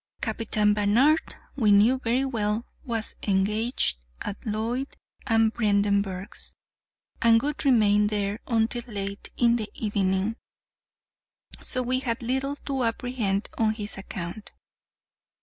Captain Barnard, we knew very well, was engaged at Lloyd and Vredenburgh's, and would remain there until late in the evening, so we had little to apprehend on his account.